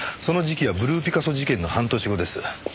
その時期はブルーピカソ事件の半年後です。